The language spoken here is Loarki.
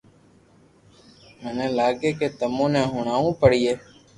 ميني لاگي ڪي تمو ني ھڻاوہ پڙئي